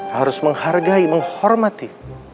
harus menghargai menghormati